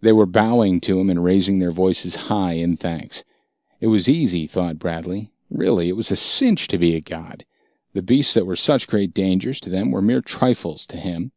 They were bowing to him and raising their voices high in thanks. It was easy, thought Bradley. Really, it was a cinch to be a god. The beasts that were such great dangers to them were mere trifles to him.